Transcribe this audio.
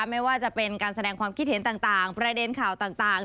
ไม่ว่าจะเป็นการแสดงความคิดเห็นต่างประเด็นข่าวต่าง